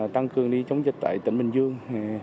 tăng cường đi chống dịch tại tỉnh bình dương